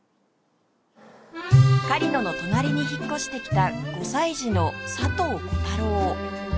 狩野の隣に引っ越してきた５歳児のさとうコタロー